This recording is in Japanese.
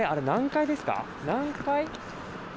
８階ですか？